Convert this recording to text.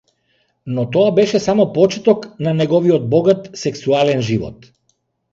Но тоа беше само почеток на неговиот богат сексуален живот.